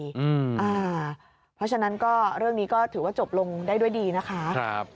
เพราะฉะนั้นก็เรื่องนี้ก็ถือว่าจบลงได้ด้วยดีนะคะ